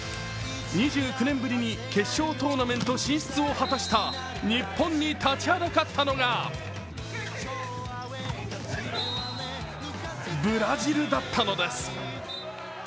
２９年ぶりに決勝トーナメント進出を果たした日本に立ちはだかったのがブラジルだったのです。